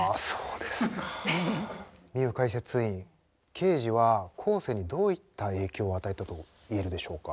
ミユかいせついんケージは後世にどういった影響を与えたと言えるでしょうか？